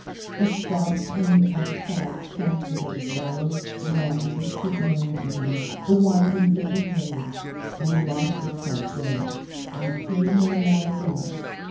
The soft wind outside sank with a low, long, distant moan among the windings of the hills, and lost itself there, and came no more again.